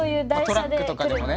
トラックとかでもね。